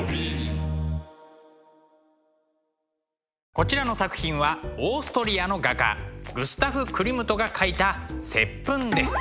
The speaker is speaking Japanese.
こちらの作品はオーストリアの画家グスタフ・クリムトが描いた「接吻」です。